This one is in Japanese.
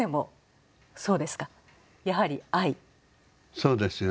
そうですよ。